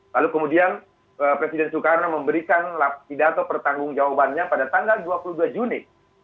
lalu kemudian presiden soekarno memberikan pidato pertanggung jawabannya pada tanggal dua puluh dua juni seribu sembilan ratus enam puluh enam